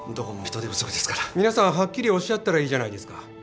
皆さんはっきりおっしゃったらいいじゃないですか。